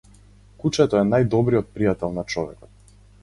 Кучето е најдобриот пријател на човекот.